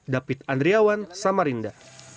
david andriawan samarinda